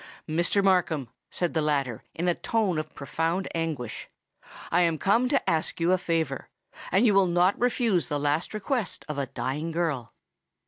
"Mr. Markham," said the latter, in a tone of profound anguish, "I am come to ask you a favour—and you will not refuse the last request of a dying girl."